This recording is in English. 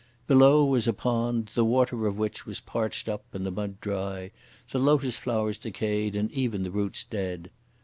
Below, was a pond, the water of which was parched up and the mud dry, the lotus flowers decayed, and even the roots dead.